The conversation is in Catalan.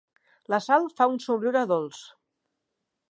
La Sal fa un somriure dolç.